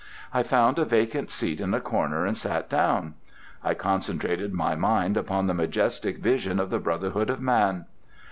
I found a vacant seat in a corner and sat down. I concentrated my mind upon the majestic vision of the brotherhood of man.